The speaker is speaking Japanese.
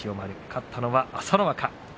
勝ったのは朝乃若。